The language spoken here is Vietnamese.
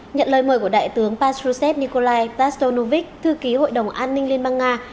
nhận lời mời của đại tướng patrushev nikolai plastonovic thư ký hội đồng an ninh liên bang nga